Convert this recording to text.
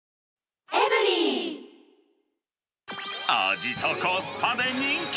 味とコスパで人気！